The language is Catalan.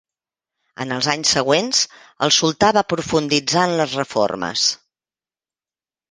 En els anys següents el sultà va profunditzar en les reformes.